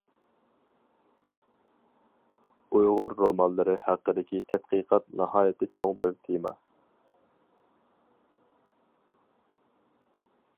ئۇيغۇر رومانلىرى ھەققىدىكى تەتقىقات ناھايىتى چوڭ بىر تېما.